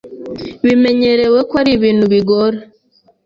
Bimenyerewe ko ari ibintu bigora